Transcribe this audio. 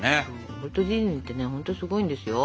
ウォルト・ディズニーってねほんとすごいんですよ。